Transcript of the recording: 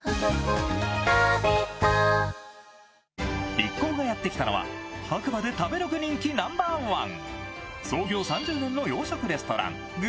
一行がやってきたのは白馬で食べログ人気ナンバーワン。